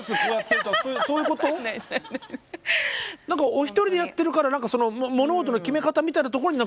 お一人でやってるから物事の決め方みたいなところにボス感があるのかな。